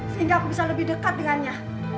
sehingga aku bisa lebih dekat dengannya